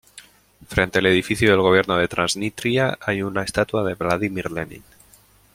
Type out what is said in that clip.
Frente al edificio del gobierno de Transnistria hay una estatua de Vladimir Lenin.